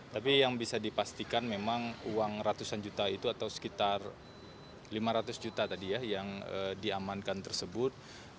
tapi yang bisa dipastikan memang uang ratusan juta itu atau sekitar lima ratus juta tadi ya yang diamankan tersebut